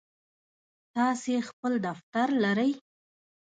تاسی خپل دفتر لرئ؟